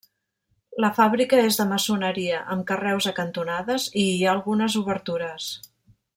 La fàbrica és de maçoneria, amb carreus a cantonades i hi ha algunes obertures.